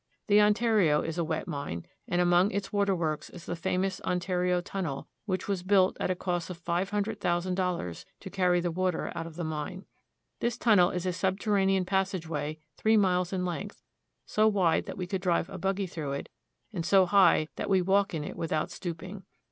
The Ontario is a wet mine, and among its waterworks is the famous Ontario Tunnel, which was built, at a cost of five hundred thousand dollars, to carry the water out of the mine. This tunnel is a subterranean passageway three miles in length, so wide that we could drive a buggy through it, and so high that we walk in it without stooping.